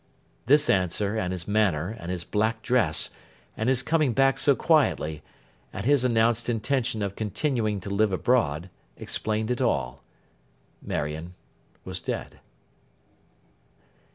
This answer, and his manner, and his black dress, and his coming back so quietly, and his announced intention of continuing to live abroad, explained it all. Marion was dead.